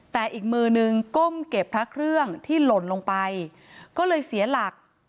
แต่อีกมือนึงก้มเก็บพระเครื่องที่หล่นลงไปก็เลยเสียหลัก